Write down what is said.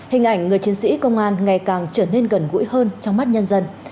hình ảnh người chiến sĩ công an ngày càng trở nên gần gũi hơn trong mắt nhân dân